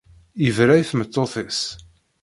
Yebra i tmeṭṭut-is